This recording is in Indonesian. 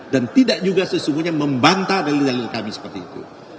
dan tidak juga sesungguhnya membantah dari dalil kami seperti itu